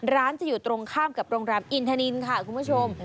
ร้านจะอยู่ตรงข้ามกับโรงแรมอินทานินค่ะคุณผู้ชม